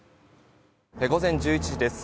午前１１時です。